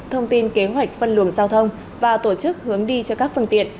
thông tin kế hoạch phân luồng giao thông và tổ chức hướng đi cho các phương tiện